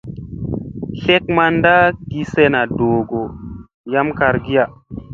Tlek manda gi sena doogo yam kargiya.